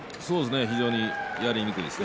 非常にやりにくいですね。